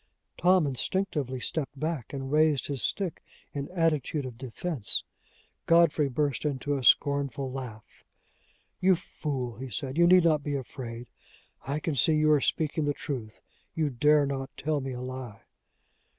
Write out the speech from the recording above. Tom instinctively stepped back, and raised his stick in attitude of defense. Godfrey burst into a scornful laugh. "You fool!" he said; "you need not be afraid; I can see you are speaking the truth. You dare not tell me a lie!"